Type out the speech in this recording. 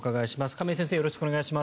亀井先生